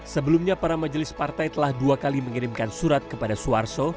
sebelumnya para majelis partai telah dua kali mengirimkan surat kepada suharto